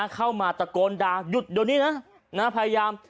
เข้ามาตะโกนด่าหยุดเดี๋ยวนี้นะพยายาม